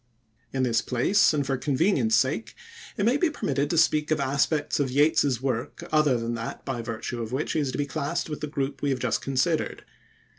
In this place, and for convenience sake, it may be permitted to speak of aspects of Yeats's work other than that by virtue of which he is to be classed with the group we have just considered.